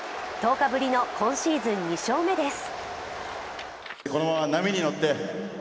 １０日ぶりの今シーズン２勝目です。